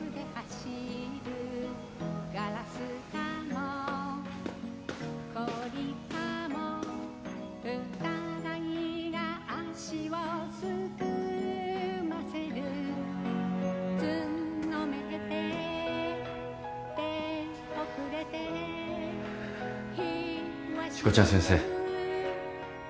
しこちゃん先生。